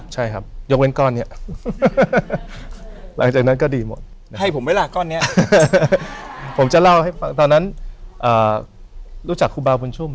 ใช่ครับ